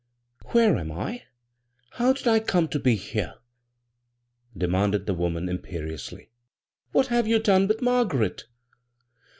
"Where am I? How did 1 come to be here?" denianded the woman, imperiously. "What have you done with Margaret?"